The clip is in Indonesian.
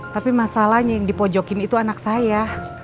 tapi masalahnya yang dipojokin itu anak saya